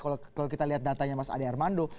kalau kita lihat datanya mas ade armando